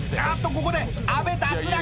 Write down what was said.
ここで阿部脱落！